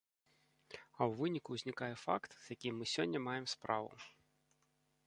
А ў выніку ўзнікае факт, з якім мы сёння маем справу.